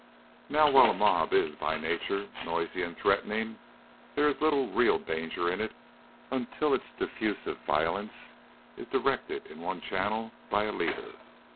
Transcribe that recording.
Now, while a mob is by nature noisy and threatening, there is little real danger in it until its diffusive violence is directed into one channel by a leader.